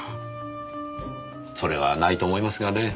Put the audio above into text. それはないと思いますがね。